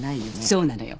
そうなのよ。